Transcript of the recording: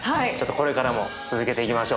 これからも続けていきましょう。